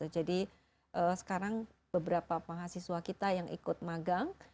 jadi sekarang beberapa mahasiswa kita yang ikut magang